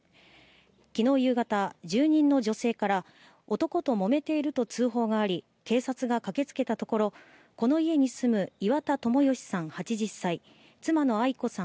昨日夕方、住人の女性から男ともめていると通報があり、警察が駆けつけたところこの家に住む岩田友義さん